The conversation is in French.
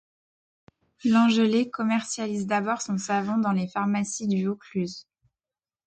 Lengellé commercialise d'abord son savon dans les pharmacies du Vaucluse.